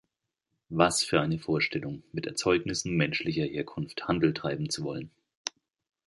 Was für eine Vorstellung, mit Erzeugnissen menschlicher Herkunft Handel treiben zu wollen!